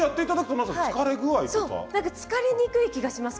疲れにくい気がします